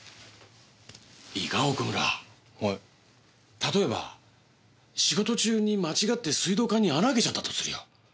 例えば仕事中に間違って水道管に穴開けちゃったとするよ。